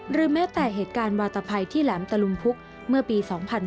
แม้แต่เหตุการณ์วาตภัยที่แหลมตะลุมพุกเมื่อปี๒๕๕๙